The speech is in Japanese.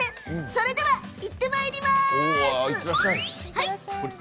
それではいってまいります。